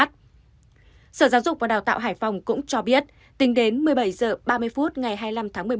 sở giáo dục và đào tạo hải phòng cũng cho biết tính đến một mươi bảy h ba mươi phút ngày hai mươi năm tháng một mươi một